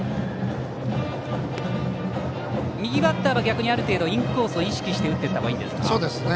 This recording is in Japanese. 右バッターは逆に、ある程度インコースを意識して打っていったほうがいいですか。